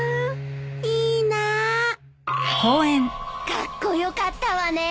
カッコ良かったわねえ。